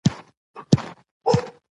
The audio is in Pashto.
که یو کس د نورو خبرو ته پام ونه کړي